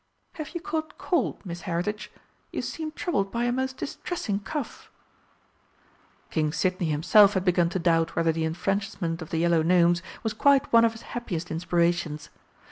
Have you caught cold, Miss Heritage? You seem troubled by a most distressing cough." King Sidney himself had begun to doubt whether the enfranchisement of the Yellow Gnomes was quite one of his happiest inspirations.